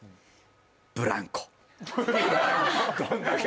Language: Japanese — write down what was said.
ブランコ。